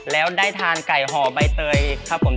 แล้วได้ทานไก่ห่อใบเตยครับผม